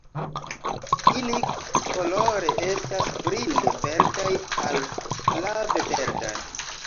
Ili kolore estas brile verdaj al flave verdaj.